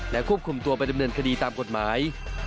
ควบคุมตัวไปดำเนินคดีตามกฎหมาย